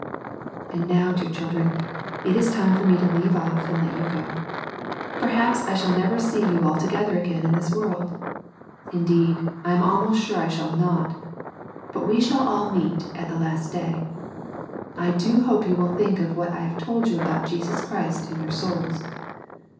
And now, dear children, it is time for me to leave off and let you go. Perhaps I shall never see you all together again in this ^Qd<i^\s!.5iS35^^^ 134 SERMONS FOR CHILDREN. I am almost sure I shall not, — ^but we shall all meet at the last day. I do hope you will think of what I have told you about Jesus Christ and your souls.